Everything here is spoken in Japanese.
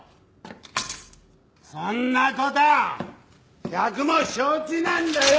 そんな事は百も承知なんだよ！